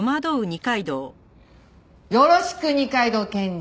よろしく二階堂検事。